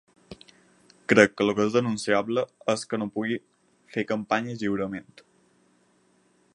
Crec que el que és denunciable és que no pugui fer campanya lliurement.